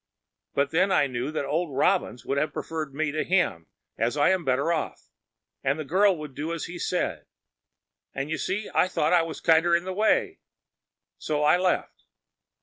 But then I knew that old Robins would have preferred me to him, as I was better off,‚ÄĒand the girl would do as he said,‚ÄĒand, you see, I thought I was kinder in the way,‚ÄĒand so I left.